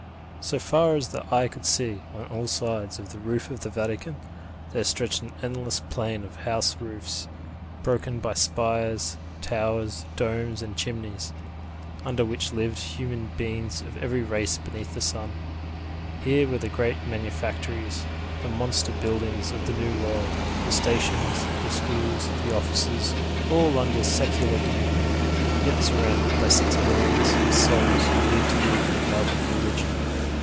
So far as the eye could see, on all sides from the roof of the Vatican, there stretched an endless plain of house roofs, broken by spires, towers, domes and chimneys, under which lived human beings of every race beneath the sun. Here were the great manufactories, the monster buildings of the new world, the stations, the schools, the offices, all under secular dominion, yet surrounded by six millions of souls who lived here for love of religion.